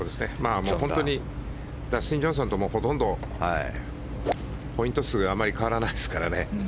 本当にダスティン・ジョンソンとほとんどポイント数があまり変わらないですからね。